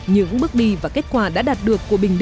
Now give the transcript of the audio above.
những bước đi và kết quả đã đạt được của bình định